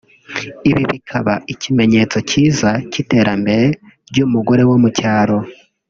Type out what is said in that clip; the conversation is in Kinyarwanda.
ibi bikaba ikinyetso cyiza cy’iterambere ry’umugore wo mu cyaro